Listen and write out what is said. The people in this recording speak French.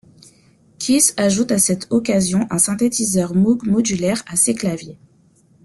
Keith ajoute à cette occasion un synthétiseur Moog Modulaire à ses claviers.